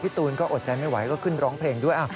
ตูนก็อดใจไม่ไหวก็ขึ้นร้องเพลงด้วย